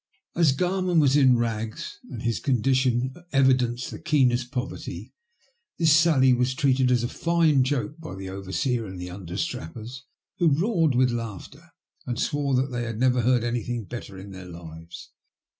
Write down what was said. As Garman was in rags and his condition evi denced the keenest poverty, this sally was treated as a fine joke by the overseer and the understrappers, who roared with laughter, and swore that they had never heard anything better in their lives.